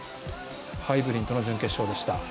ハイブリンとの準決勝でした。